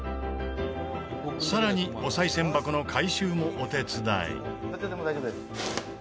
さらにお賽銭箱の回収もお手伝い。